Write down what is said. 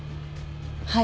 はい